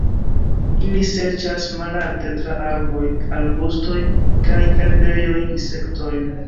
Ili serĉas malalte tra arboj, arbustoj kaj herbejoj insektojn.